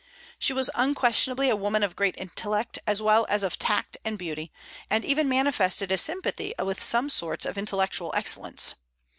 She was unquestionably a woman of great intellect, as well as of tact and beauty, and even manifested a sympathy with some sorts of intellectual excellence.